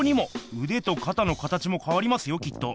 うでとかたの形もかわりますよきっと。